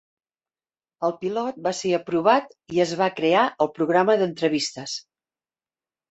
El pilot va ser aprovat i es va crear el programa d'entrevistes.